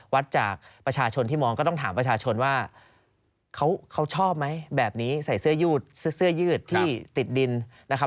วัดจากประชาชนที่มองก็ต้องถามประชาชนว่าเขาชอบไหมแบบนี้ใส่เสื้อยืดเสื้อยืดที่ติดดินนะครับ